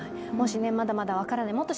もしねまだまだ分からない